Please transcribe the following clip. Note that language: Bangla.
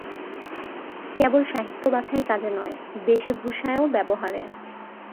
কেবল সাহিত্য-বাছাই কাজে নয়, বেশে ভূষায় ব্যবহারে।